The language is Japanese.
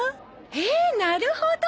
へえなるほど！